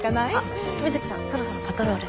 水木ちゃんそろそろパトロール。